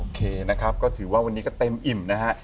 เคนะครับก็ถือว่าวันนี้ก็เต็มอิ่มนะฮะ